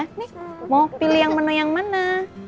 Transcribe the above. ini mau pilih yang menu yang mana